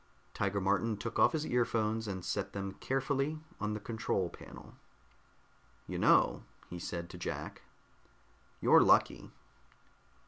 Tiger Martin took off his earphones and set them carefully on the control panel. "You know," he said to Jack, "you're lucky."